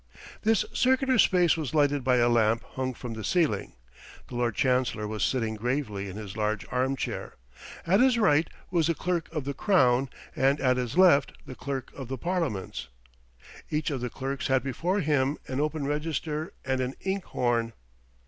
This circular space was lighted by a lamp hung from the ceiling. The Lord Chancellor was sitting gravely in his large armchair; at his right was the Clerk of the Crown, and at his left the Clerk of the Parliaments. Each of the clerks had before him an open register and an inkhorn.